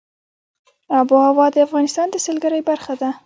آب وهوا د افغانستان د سیلګرۍ برخه ده.